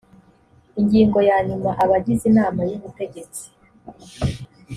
ingingo ya nyuma abagize inama y ubutegetsi